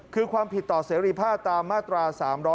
คือความผิดต่อเสรีภาพตามมาตรา๓๒